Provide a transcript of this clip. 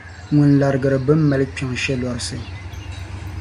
Ŋuna larigiri bɛn mali kpiɔŋ shelɔrisi.